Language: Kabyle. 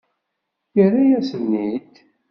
Yerra-yasen-ten-id.